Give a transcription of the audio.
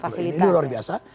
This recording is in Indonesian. fasilitas itu luar biasa